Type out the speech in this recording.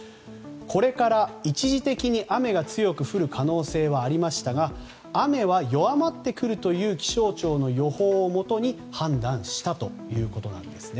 これから一時的に雨が降る可能性はありましたが雨は弱まってくるという気象庁の予報をもとに判断したということなんですね。